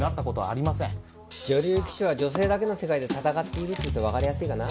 女流棋士は女性だけの世界で戦っているって言うとわかりやすいかな？